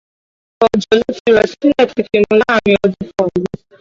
Ọ̀pọ̀ òjò ló ti rọ̀ tí ilẹ̀ ti fimu láàárín ọdún kan yìí.